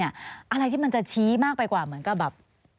อะไรที่มันจะชี้มากไปกว่าเหมือนกับแบบ